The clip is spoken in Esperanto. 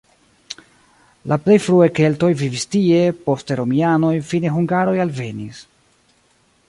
La plej frue keltoj vivis tie, poste romianoj, fine hungaroj alvenis.